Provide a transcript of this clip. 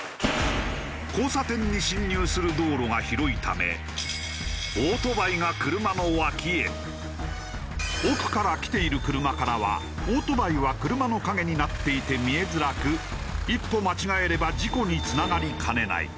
交差点に進入する道路が広いため奥から来ている車からはオートバイは車の陰になっていて見えづらく一歩間違えれば事故につながりかねない。